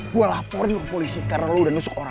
gue laporin ke polisi karena lo udah nusuk orang